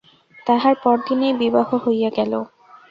তাহার পরদিনেই বিবাহ হইয়া গেল।